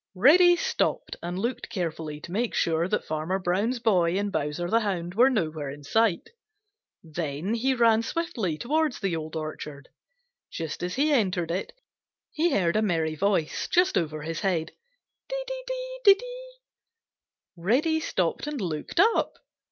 Reddy stopped and looked carefully to make sure that Farmer Brown's boy and Bowser the Hound were nowhere in sight. Then he ran swiftly towards the Old Orchard. Just as he entered it he heard a merry voice just over his head: "Dee, dee, dee, dee!" Reddy stopped and looked up.